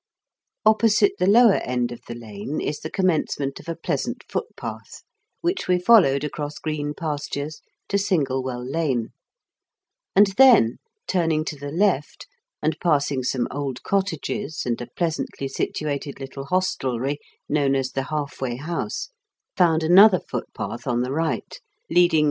Opposite the lower end o'f the lane is the commence ment of a pleasant footpath, which we followed across green pastures to Singlewell Lane ; and then, turning to the left, and passing some old cottages and a pleasantly situated little hostelry, known as The Halfway House, found another footpath on the right, leading 6 IN KENT WITE CHARLES DICKENS.